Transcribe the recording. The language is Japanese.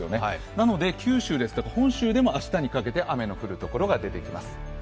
なので九州ですとか本州でも明日にかけて雨が降る所が出てきます。